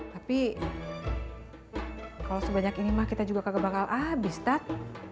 tapi kalau sebanyak ini mak kita juga nggak bakal habis tat